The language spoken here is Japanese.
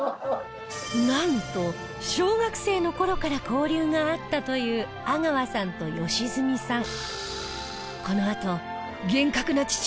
なんと小学生の頃から交流があったという阿川さんと良純さん